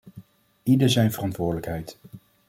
Ieder zijn verantwoordelijkheid.